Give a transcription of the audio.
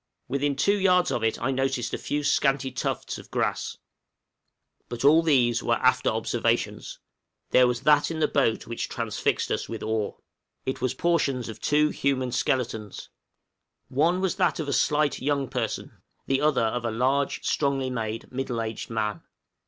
Within two yards of it I noticed a few scanty tufts of grass. {SKELETONS AND RELICS.} But all these were after observations; there was that in the boat which transfixed us with awe. It was portions of two human skeletons. One was that of a slight young person; the other of a large, strongly made, middle aged man.